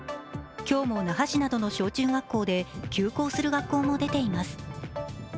今日も那覇市などの小中学校で休校する学校も出ています。